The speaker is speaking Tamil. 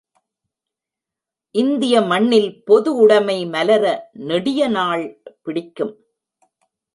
இந்திய மண்ணில் பொது உடைமை மலர நெடிய நாள் பிடிக்கும்.